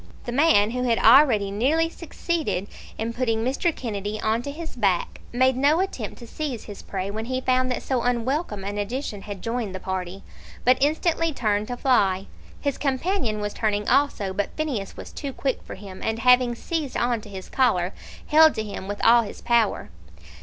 The man who had already nearly succeeded in putting Mr. Kennedy on to his back, made no attempt to seize his prey when he found that so unwelcome an addition had joined the party, but instantly turned to fly. His companion was turning also, but Phineas was too quick for him, and having seized on to his collar, held to him with all his power.